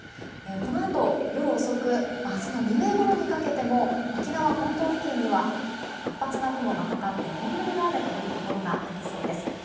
このあと、夜遅く明日の未明ごろにかけても沖縄本島付近には活発な雲がかかって本降りの雨となるところがありそうです。